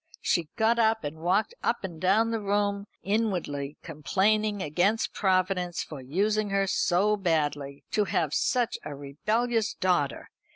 She got up and walked up and down the room, inwardly complaining against Providence for using her so badly. To have such a rebellious daughter!